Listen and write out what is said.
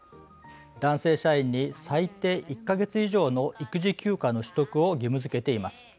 男性社員に最低１か月以上の育児休暇の取得を義務づけています。